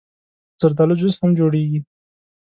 زردالو جوس هم جوړېږي.